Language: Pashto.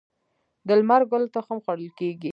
د لمر ګل تخم خوړل کیږي.